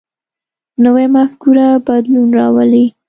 نوی مفکوره بدلون راولي